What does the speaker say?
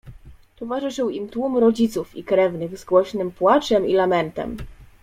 "Towarzyszył im tłum rodziców i krewnych z głośnym płaczem i lamentem."